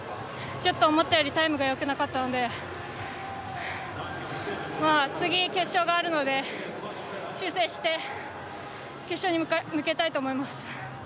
ちょっと思ったよりタイムがよくなかったので次、決勝があるので修正して、決勝に向けたいと思います。